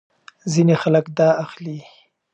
ځینې خلک دا اخلي.